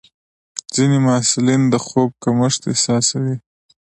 ځینې محصلین د خوب کمښت احساسوي.